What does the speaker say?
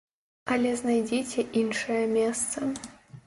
Але знайдзіце іншае месца.